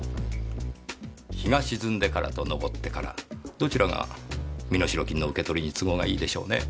日が沈んでからと昇ってからどちらが身代金の受け取りに都合がいいでしょうねぇ。